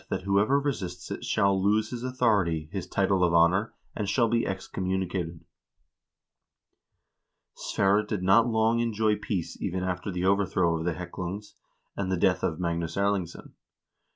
394 HISTORY OF THE NORWEGIAN PEOPLE whoever resists it shall lose his authority, his title of honor, and shall be excommunicated. Sverre did not long enjoy peace even after the overthrow of the Heklungs, and the death of Magnus Erlingsson.